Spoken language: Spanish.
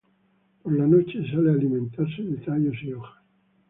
Por la noche sale a alimentarse de tallos y hojas.